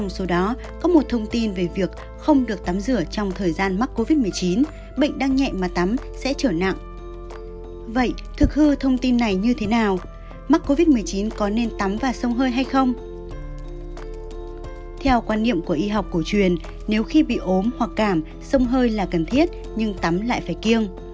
sau quan niệm của y học cổ truyền nếu khi bị ốm hoặc cảm sông hơi là cần thiết nhưng tắm lại phải kiêng